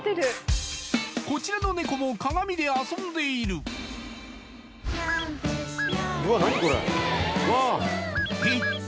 こちらのネコも鏡で遊んでいるえっ？